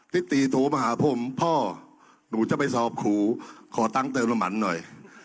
ติตีโทรมาหาผมพ่อหนูจะไปสอบครูขอตั้งเติมน้ำมันหน่อย